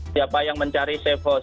siapa yang mencari safe house